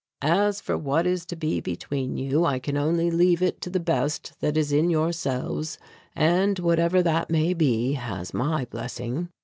As for what is to be between you, I can only leave it to the best that is in yourselves, and whatever that may be has my blessing."